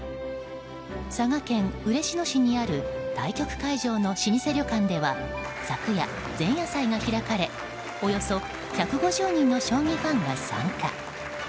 佐賀県嬉野市にある対局会場の老舗旅館では昨夜、前夜祭が開かれおよそ１５０人の将棋ファンが参加。